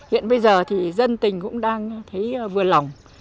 hiện bây giờ thì dân tình cũng đang thấy vừa lòng